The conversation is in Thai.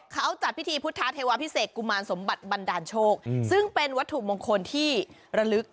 เขาจัดพิธีพุทธเทวาพิเศษกุมารสมบัติบันดาลโชคซึ่งเป็นวัตถุมงคลที่ระลึก